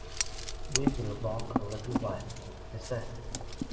“We will walk a little while,” he said.